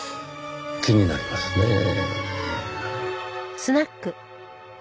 気になりますねぇ。